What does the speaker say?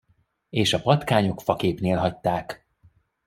És a patkányok faképnél hagyták.